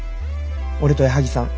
俺と矢作さん